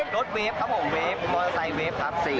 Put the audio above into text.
เวฟครับผมเวฟมอเตอร์ไซค์เวฟครับ